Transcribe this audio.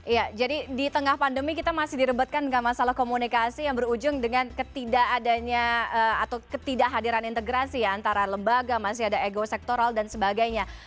iya jadi di tengah pandemi kita masih direbetkan dengan masalah komunikasi yang berujung dengan ketidakadanya atau ketidakhadiran integrasi ya antara lembaga masih ada ego sektoral dan sebagainya